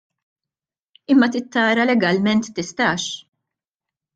Imma trid tara legalment tistax.